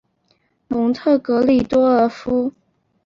蒙特格里多尔福。